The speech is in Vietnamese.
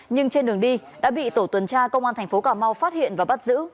nhưng trên đường đi đã bị tổ tuần tra công an thành phố cà mau phát hiện và bắt giữ